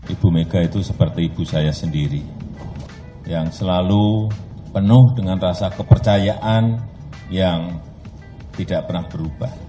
ibu mega itu seperti ibu saya sendiri yang selalu penuh dengan rasa kepercayaan yang tidak pernah berubah